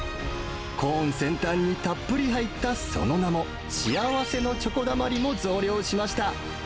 コーン先端にたっぷり入ったその名も、しあわせのチョコだまりも増量しました。